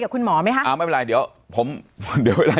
คัมสูงเมืองก็ไม่ได้